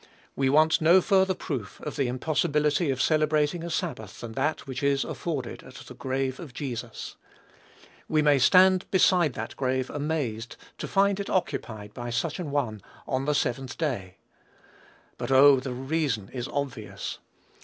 We want no further proof of the impossibility of celebrating a sabbath than that which is afforded at the grave of Jesus. We may stand beside that grave amazed to find it occupied by such an one on the seventh day; but, oh! the reason is obvious.